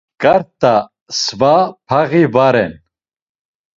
Ǩarta sva paği va ren.